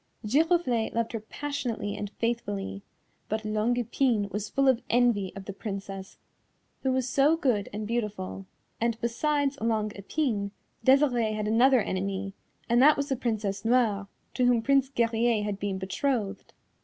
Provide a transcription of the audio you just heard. Giroflée loved her passionately and faithfully, but Longue Epine was full of envy of the Princess who was so good and beautiful, and, besides Longue Epine, Desirée had another enemy, and that was the Princess Noire, to whom Prince Guerrier had been betrothed.